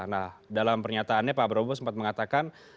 nah dalam pernyataannya pak prabowo sempat mengatakan